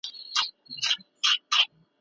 زموږ پوهان تل په هنري ژبه ليکني کوي.